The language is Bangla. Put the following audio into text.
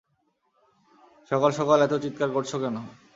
সকাল সকাল এতো চিৎকার করছো কেনো?